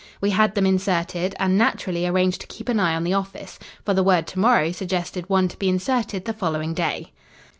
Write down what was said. We had them inserted, and naturally arranged to keep an eye on the office for the word to morrow suggested one to be inserted the following day.